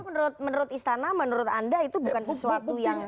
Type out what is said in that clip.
tapi menurut istana menurut anda itu bukan sesuatu yang